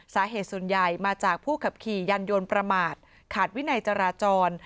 สาเหตุส่วนใหญ่มาจากผู้ขับขี่ยันยนต์ประมาทขาดวินัยจราจร